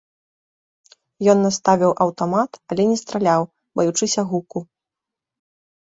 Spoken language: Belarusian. Ён наставіў аўтамат, але не страляў, баючыся гуку.